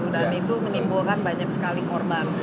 dan itu menimbulkan banyak sekali korban